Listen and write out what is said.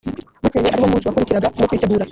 bukeye ari wo munsi wakurikiraga uwo kwitegura